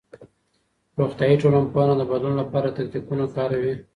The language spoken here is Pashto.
روغتيائي ټولنپوهنه د بدلون لپاره تکتيکونه کاروي.